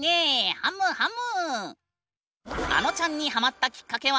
ハムハム！